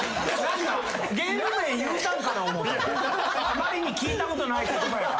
あまりに聞いたことない言葉やから。